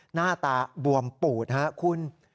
หน้าตาบวมปูดคุณ